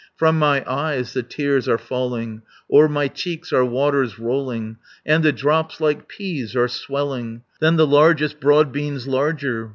510 From my eyes the tears are falling O'er my cheeks are waters rolling. And the drops like peas are swelling. Than the largest broad beans larger.